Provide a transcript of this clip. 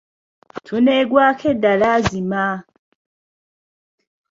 Tuneegwaako edda laazima!